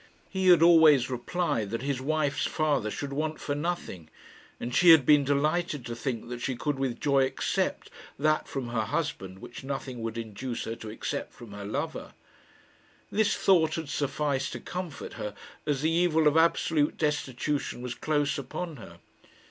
He had always replied that his wife's father should want for nothing, and she had been delighted to think that she could with joy accept that from her husband which nothing would induce her to accept from her lover. This thought had sufficed to comfort her, as the evil of absolute destitution was close upon her.